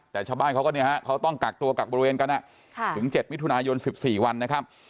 แต่ชาวบ้านเขาก็เนี่ยฮะเขาต้องกักตัวกักบริเวณกันถึง๗มิถุนายน๑๔วันนะครับ